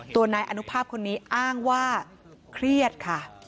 นายอนุภาพคนนี้อ้างว่าเครียดค่ะ